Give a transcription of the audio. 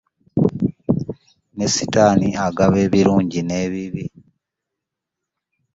Ne ssitaani agaba ebirungi n'ebibi.